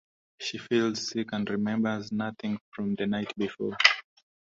She feels sick and remembers nothing from the night before.